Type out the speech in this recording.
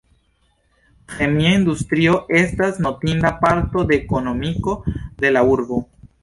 Ĥemia industrio estas notinda parto de ekonomiko de la urbo.